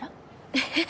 えっ？